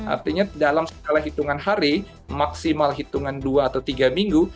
artinya dalam segala hitungan hari maksimal hitungan dua atau tiga minggu